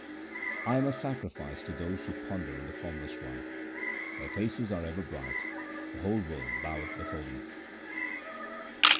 I am a sacrifice to those who ponder on the Formless One. Their faces are ever bright ; the whole world boweth before them.